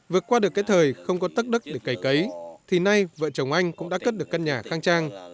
vượt qua được cái thời không có tất đất để cầy cấy thì nay vợ chồng anh cũng đã cất được căn nhà khang trang